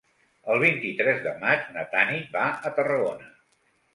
El vint-i-tres de maig na Tanit va a Tarragona.